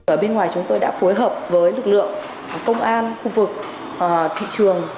ở bên ngoài chúng tôi đã phối hợp với lực lượng công an khu vực thị trường